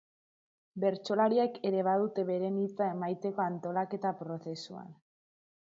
Bertsolariek ere badute beren hitza emaiteko antolaketa prozesuan.